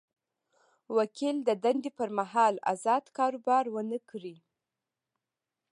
وکیل د دندې پر مهال ازاد کاروبار ونه کړي.